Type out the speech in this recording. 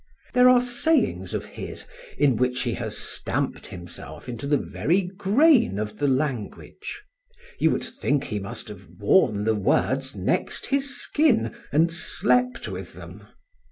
There are sayings of his in which he has stamped himself into the very grain of the language; you would think he must have worn the words next his skin and slept with them.